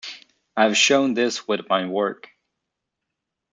I have shown this with my work.